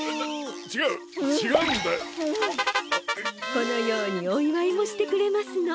このようにおいわいもしてくれますの。